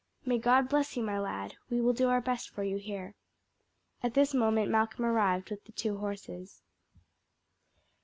May God bless you, my lad! We will do our best for you here." At this moment Malcolm arrived with the two horses.